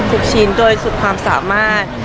ทุกชิ้นโดยสุดความสามารถ